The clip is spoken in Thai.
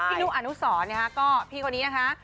พี่นุกอนุสรเนี่ยค่ะก็พี่คนนี้นะคะ